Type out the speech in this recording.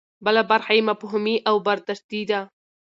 بله برخه یې مفهومي او برداشتي ده.